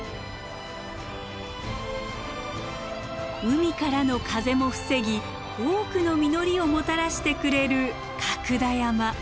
海からの風も防ぎ多くの実りをもたらしてくれる角田山。